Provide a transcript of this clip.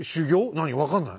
何分かんない。